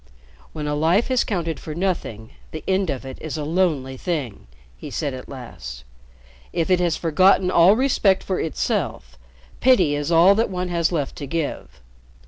"When a life has counted for nothing, the end of it is a lonely thing," he said at last. "If it has forgotten all respect for itself, pity is all that one has left to give.